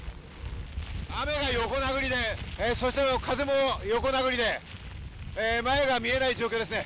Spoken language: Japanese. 雨が横殴りで風も横殴りで前が見えない状況ですね。